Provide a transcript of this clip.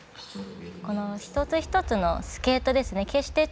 一つ一つのスケートですね。